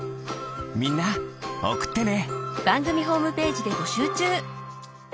みんなおくってね！